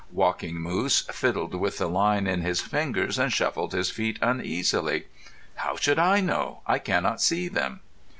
Walking Moose fiddled with the line in his fingers and shuffled his feet uneasily. "How should I know? I cannot see them."